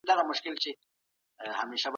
اخلي، نه له تاریخي او هویتي واقعیتونو څخه، نو مه